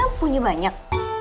emangnya punya banyak